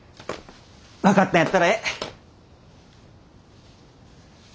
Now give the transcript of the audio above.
分かったんやったらええ。